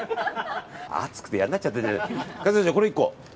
暑くて嫌になっちゃってる。